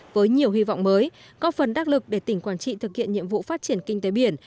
với nhiều hy vọng mới có phần đắc lực để tỉnh quảng trị thực hiện nhiệm vụ phát triển kinh tế biển